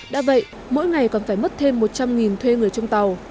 đã vậy mỗi ngày còn phải mất thêm một trăm linh thuê người trong tàu